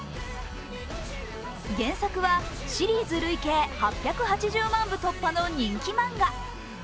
原作はシリーズ累計８８０万部突破の人気漫画。